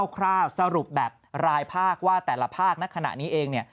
คร่าวสรุปแบบรายภาคว่าแต่ละภาคณขณะนี้เองเนี่ย